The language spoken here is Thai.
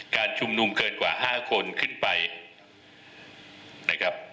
การชุมนุมเกินกว่า๕คนขึ้นไปนะครับ